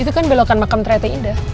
itu kan belokan makam trate indah